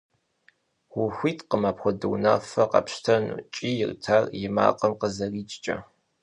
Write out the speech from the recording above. - Ухуиткъым апхуэдэ унафэ къэпщтэну! – кӀийрт ар и макъым къызэрикӀкӀэ.